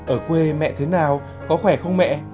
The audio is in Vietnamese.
ở quê mẹ thế nào có khỏe không mẹ